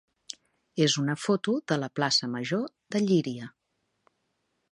és una foto de la plaça major de Llíria.